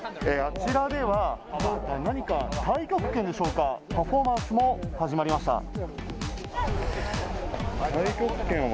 あちらでは、太極拳でしょうかパフォーマンスも始まりました。